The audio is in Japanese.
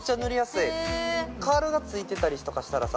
へえカールがついてたりとかしたらさ